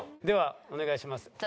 ではお願いします。